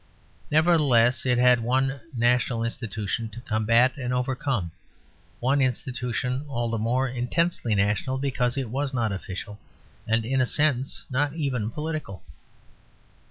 Nevertheless, it had one national institution to combat and overcome; one institution all the more intensely national because it was not official, and in a sense not even political.